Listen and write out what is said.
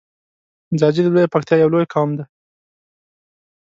ځاځی د لویی پکتیا یو لوی قوم دی.